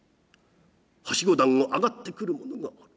はしご段を上がってくる者がある。